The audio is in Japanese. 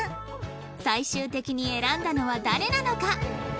最終的に選んだのは誰なのか？